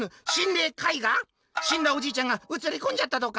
「しんだおじいちゃんがうつりこんじゃったとか⁉」。